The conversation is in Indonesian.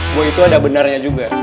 bahwa itu ada benarnya juga